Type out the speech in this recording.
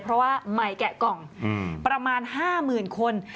เพราะว่าใหม่แกะกล่องประมาณ๕๐๐๐คน